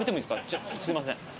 すいません。